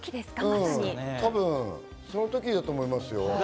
その時だと思いますよ。